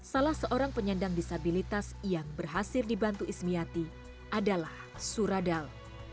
salah seorang penyandang disabilitas yang berhasil dibantu ismiati adalah suradal